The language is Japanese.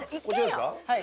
はい。